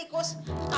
sudah sudah sudah